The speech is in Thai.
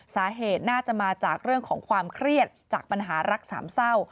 สาเหตุน่าจะมาจากเรื่องของความเครียดจากปัญหารักสามเศร้า